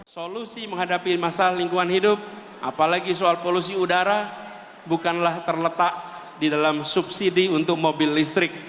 solusi menghadapi masalah lingkungan hidup apalagi soal polusi udara bukanlah terletak di dalam subsidi untuk mobil listrik